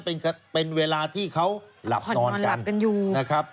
เป็นเวลาที่เขาหลับนอนกัน